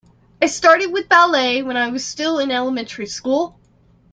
I started with ballet when I was still in elementary school.